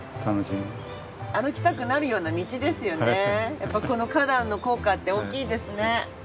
やっぱこの花壇の効果って大きいですね。